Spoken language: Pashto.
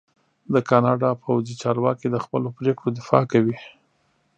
د کاناډا پوځي چارواکي د خپلو پرېکړو دفاع کوي.